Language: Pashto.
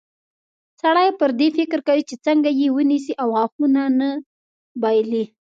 سړی پر دې فکر کوي چې څنګه یې ونیسي او غاښونه نه بایلي.